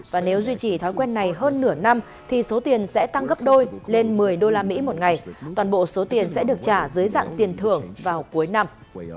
và nếu duy trì thói quen này hơn nửa năm thì số tiền sẽ tăng gấp đôi lên một mươi usd một ngày toàn bộ số tiền sẽ được trả dưới dạng tiền thưởng vào cuối năm